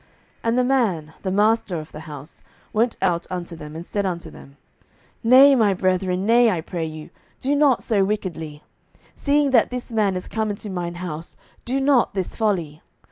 07:019:023 And the man, the master of the house, went out unto them, and said unto them, Nay, my brethren, nay, I pray you, do not so wickedly; seeing that this man is come into mine house, do not this folly.